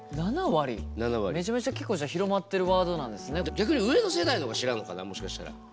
逆に上の世代の方が知らんのかなもしかしたら。